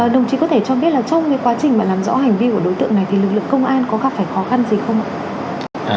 đồng chí có thể cho biết trong quá trình làm rõ hành vi của đối tượng này lực lượng công an có gặp phải khó khăn gì không ạ